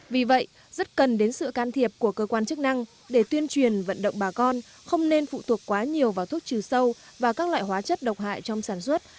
vì vậy rất cần đến sự can thiệp của cơ quan chức năng để tuyên truyền vận động bà con không nên phụ thuộc quá nhiều vào thuốc trừ sâu và các loại hóa chất độc hại trong sản xuất